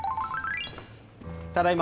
ただいま。